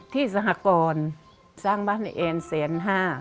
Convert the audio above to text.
ที่สหกรสร้างบ้านแอ่นแสนห้า